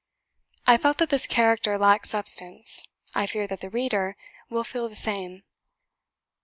I felt that this character lacked substance; I fear that the reader will feel the same.